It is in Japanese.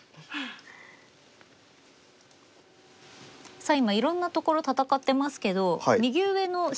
さあ今いろんなところ戦ってますけど右上の白。